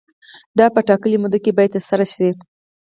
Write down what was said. دا په ټاکلې موده کې باید ترسره شي.